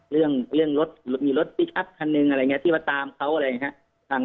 เรื่องรถมีรถพลิกอัพคันนึงอะไรอย่างนี้ที่มาตามเขาอะไรอย่างนี้